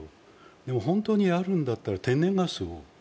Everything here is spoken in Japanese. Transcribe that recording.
でも本当にやるんだったら天然ガスを。